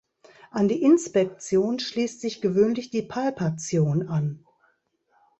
An die Inspektion schließt sich gewöhnlich die Palpation an.